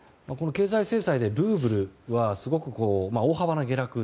この経済制裁でルーブルはすごく大幅な下落